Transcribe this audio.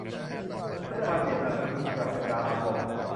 พจมานเปลี่ยนนามสกุลกลับเป็นดามาพงศ์